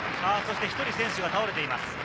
１人選手が倒れています。